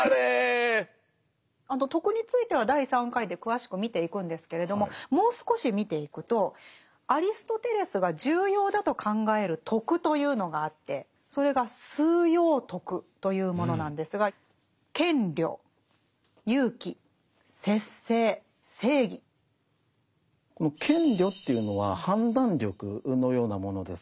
徳については第３回で詳しく見ていくんですけれどももう少し見ていくとアリストテレスが重要だと考える徳というのがあってそれが「枢要徳」というものなんですがこの「賢慮」っていうのは判断力のようなものです。